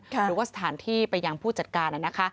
หรือว่าสถานที่ไปยังผู้จัดการนะคะ